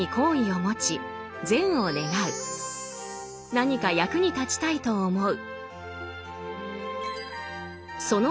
何か役に立ちたいと思う。